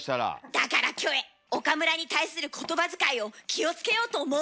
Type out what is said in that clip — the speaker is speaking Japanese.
だからキョエ岡村に対する言葉遣いを気をつけようと思う。